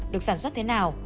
được sản xuất thế nào